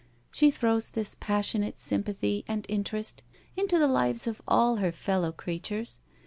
She throws this passionate, sympathy and interest into the lives of all her fellow creatures.